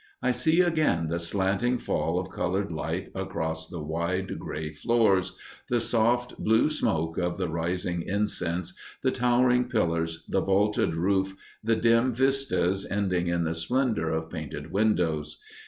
I see again the slanting fall of colored light across the wide gray floors, the soft blue smoke of the rising incense, the towering pillars, the vaulted roof, the dim vistas ending in the splendor of painted windows.